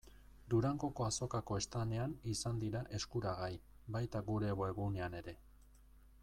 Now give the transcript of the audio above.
Durangoko Azokako standean izango dira eskuragai, baita gure webgunean ere.